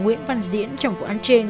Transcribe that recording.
nguyễn văn diễn trong vụ án trên